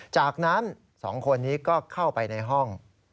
จากนั้น๒คนนี้ก็เข้าไปในห้อง